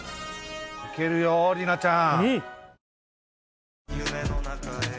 いけるよ里奈ちゃん。